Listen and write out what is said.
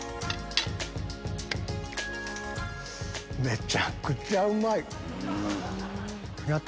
めちゃくちゃうまい！